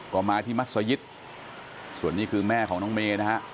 ก็มาที่มัศยิตส่วนนี้คือแม่ของน้องเมย์นะฮะ